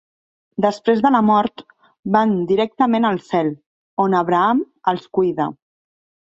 Després de la mort, van directament al cel, on Abraham els cuida.